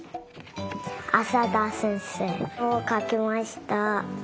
浅田先生をかきました。